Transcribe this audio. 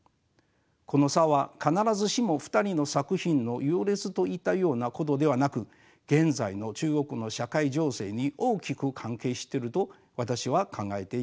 この差は必ずしも２人の作品の優劣といったようなことではなく現在の中国の社会情勢に大きく関係してると私は考えています。